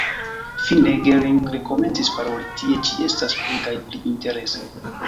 Fine Gering rekomencis paroli: « Tie ĉi estas pli kaj pli interese ».